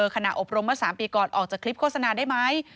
อบรมเมื่อ๓ปีก่อนออกจากคลิปโฆษณาได้ไหม